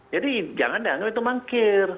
jadi jangan dihitung mangkir